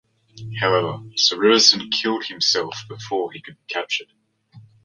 However, Sivarasan killed himself before he could be captured.